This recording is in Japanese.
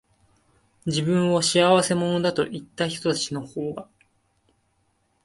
自分を仕合せ者だと言ったひとたちのほうが、